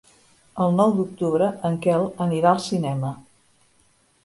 El nou d'octubre en Quel anirà al cinema.